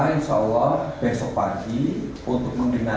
persiapan di tempat pertama hampir seratus persiapan